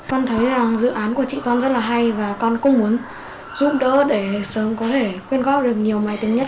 con thấy dự án của chị con rất hay và con cũng muốn giúp đỡ để sớm có thể khuyên góp được nhiều máy tính nhất